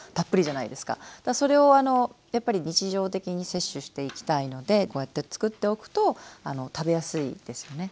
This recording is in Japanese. それをやっぱり日常的に摂取していきたいのでこうやって作っておくと食べやすいですよね。